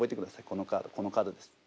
このカードこのカードです。